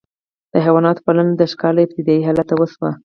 د حیواناتو پالنه د ښکار له ابتدايي حالته وشوه.